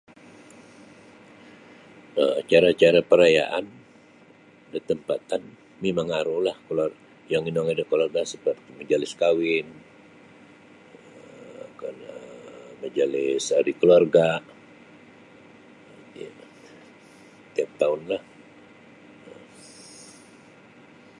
um cara-cara parayaan da tempatan mimang arulah kaluar yang inongoi da kaluarga saparti majalis kahwin um kala majalis ahli kaluarga' um tiap taunlah um.